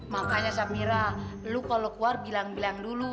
makanya safira lu kalau keluar bilang bilang dulu